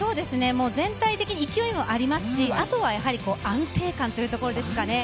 全体的に勢いもありますし、あとは安定感というところですかね。